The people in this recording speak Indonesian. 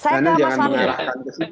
saya ke mas fahmi